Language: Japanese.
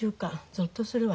ぞっとするわ。